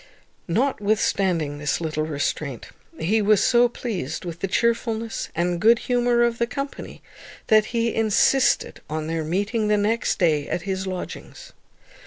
Notwithstanding this little restraint, he was so pleased with the chearfulness and good humour of the company, that he insisted on their meeting the next day at his lodgings.